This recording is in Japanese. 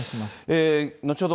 後ほど